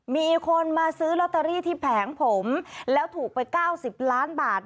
มีคนมาซื้อลอตเตอรี่ที่แผงผมแล้วถูกไป๙๐ล้านบาท